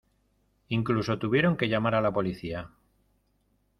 Incluso tuvieron que llamar a la policía.